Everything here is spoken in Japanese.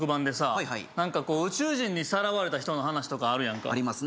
はいはい何か宇宙人にさらわれた人の話とかあるやんかありますね